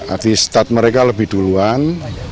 arti start mereka lebih duluan